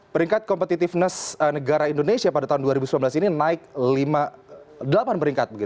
peringkat competitiveness negara indonesia pada tahun dua ribu sembilan belas ini naik delapan peringkat